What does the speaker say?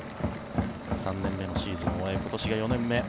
３年目のシーズンを終え今年が４年目。